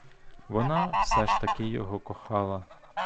Вона все ж таки його кохала!